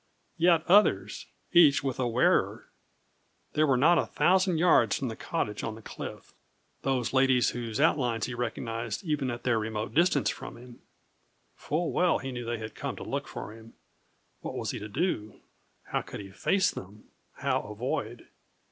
yet others, each with a wearer! They were not a thousand yards from the cottage on the cliff those ladies whose outlines he recognised, even at their remote distance from him. Full well he knew they had come to look for him. What was he to do? How could he face them, how avoid?